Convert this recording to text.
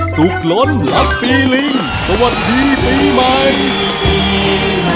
ล้นรักปีลิงสวัสดีปีใหม่